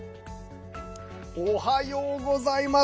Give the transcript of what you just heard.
おはようございます！